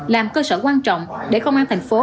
làm cơ sở quan trọng để công an thành phố